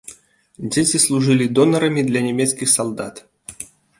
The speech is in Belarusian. Дзеці служылі донарамі для нямецкіх салдат.